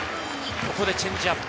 ここでチェンジアップ。